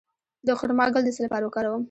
د خرما ګل د څه لپاره وکاروم؟